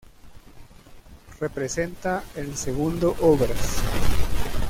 Representa el segundo Obras.